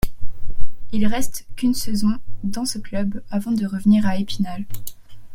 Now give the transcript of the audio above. Il reste qu'une saison dans ce club avant de revenir à Épinal.